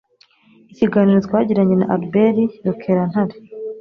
Ikiganiro twagiranye na Albert Rukerantare